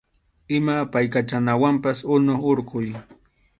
Ima apaykachanawanpas unu hurquy.